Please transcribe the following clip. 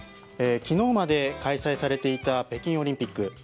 昨日まで開催されていた北京オリンピック。